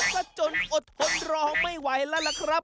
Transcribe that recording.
ก็จนอดทนรอไม่ไหวแล้วล่ะครับ